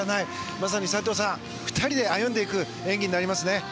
まさに、斎藤さん２人で歩んでいく演技になりますね。